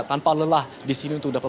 tanpa lelah disini untuk dapat